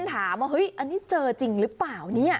ถามว่าอันนี้เจอจริงหรือเปล่า